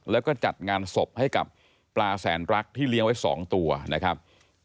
แล้วก็จัดงานศพให้กับปลาแสนรักที่เลี้ยงไว้๒ตัวนะครับ